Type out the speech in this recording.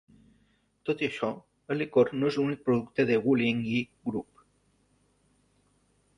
Tot i això, el licor no és l"únic producte de WuLiangye Group.